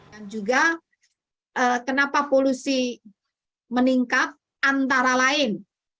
dan juga kenapa polusi meningkat antara lain